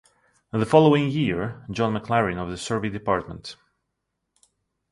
The following year, John McLaren of the Survey Dept.